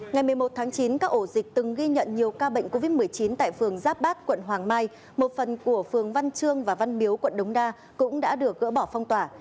ngày một mươi một tháng chín các ổ dịch từng ghi nhận nhiều ca bệnh covid một mươi chín tại phường giáp bát quận hoàng mai một phần của phường văn trương và văn miếu quận đống đa cũng đã được gỡ bỏ phong tỏa